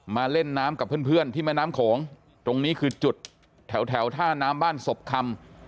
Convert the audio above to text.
เล่นน้ำกับเพื่อนที่แม่น้ำโขงตรงนี้คือจุดแถวท่าน้ำบ้านศพคำ